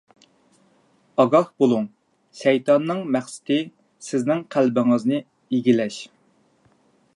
ئاگاھ بولۇڭ! شەيتاننىڭ مەقسىتى — سىزنىڭ قەلبىڭىزنى ئىگىلەش.